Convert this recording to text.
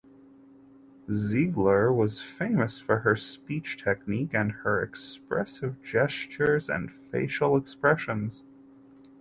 Ziegler was famous for her speech technique and her expressive gestures and facial expressions.